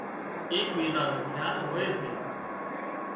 ايڪ ٻيزان نو کيال هوئي سي